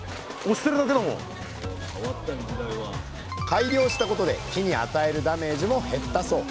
改良したことで木に与えるダメージも減ったそう。